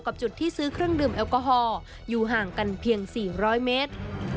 จุดที่ซื้อเครื่องดื่มแอลกอฮอล์อยู่ห่างกันเพียง๔๐๐เมตร